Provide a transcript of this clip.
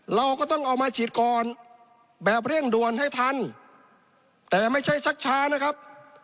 เราก็ต้องเอามาฉีดก่อนแบบเร่งด่วนให้ทันแต่ไม่ใช่ชักช้านะครับ